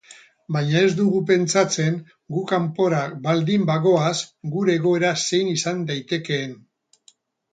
Baina ez dugu pentsatzen gu kanpora baldin bagoaz gure egoera zein izan daitekeen.